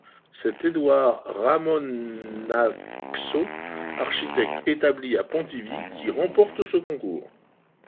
C'est Édouard Ramonatxo, architecte établi à Pontivy, qui remporte ce concours.